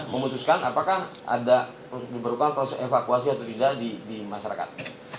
memutuskan apakah ada diperlukan proses evakuasi atau tidak di masyarakat